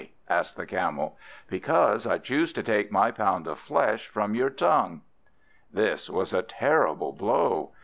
asked the Camel. "Because I choose to take my pound of flesh from your tongue." This was a terrible blow.